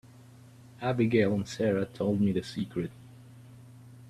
Abigail and Sara told me the secret.